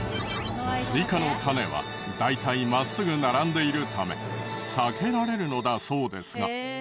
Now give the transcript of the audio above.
スイカの種は大体真っすぐ並んでいるため避けられるのだそうですが。